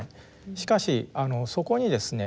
しかしそこにですね